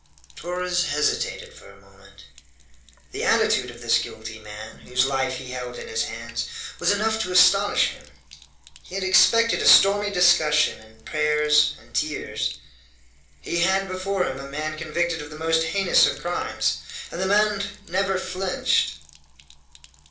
Torres hesitated for a moment. The attitude of this guilty man, whose life he held in his hands, was enough to astonish him. He had expected a stormy discussion and prayers and tears. He had before him a man convicted of the most heinous of crimes, and the man never flinched.